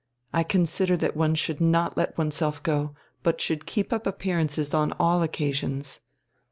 I consider that one should not let oneself go, but should keep up appearances on all occasions."